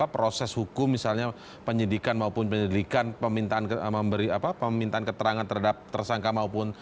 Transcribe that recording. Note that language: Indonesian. proses hukum misalnya penyidikan maupun penyelidikan pemintaan ke memberi apa pemintaan keterangan terhadap